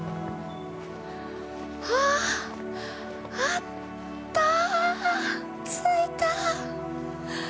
あった、着いた！